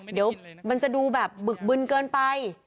เดี๋ยวมันจะดูแบบบึกบึนเกินไป